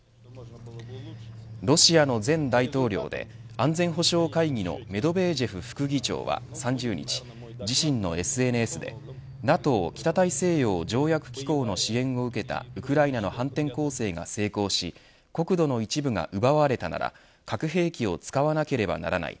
ロシアの前大統領で安全保障会議のメドベージェフ副議長は３０日自身のＳＮＳでＮＡＴＯ北大西洋条約機構の支援を受けたウクライナの反転攻勢が成功し国土の一部が奪われたなら核兵器を使わなければならない。